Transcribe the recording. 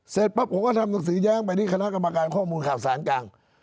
เสร็จปั๊บผมก็ทำหนังสือแย้งไปที่คณะกรรมการข้อมูลข่าวสารกลาง